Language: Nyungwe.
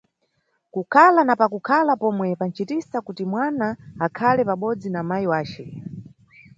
Kukhala na pakukhala pomwe panʼcitisa kuti mwana akhale pabodzi na mayi wace.